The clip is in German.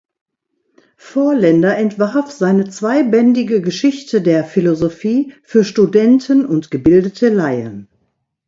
Vorländer entwarf seine zweibändige Geschichte der Philosophie für Studenten und gebildete Laien.